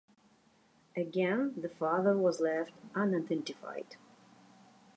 Again, the father was left unidentified.